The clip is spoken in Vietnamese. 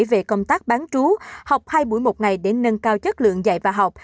về công tác bán trú học hai buổi một ngày để nâng cao chất lượng dạy và học